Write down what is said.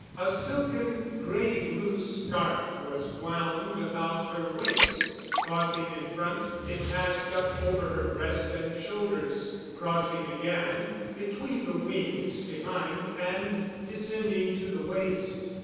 A silken, gray blue scarf was wound about her waist; crossing in front, it passed up over her breast and shoulders, crossing again between the wings behind and descending to the waist.